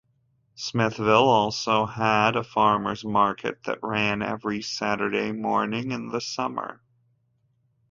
Smithville also had a Farmers Market that ran every Saturday morning in the summer.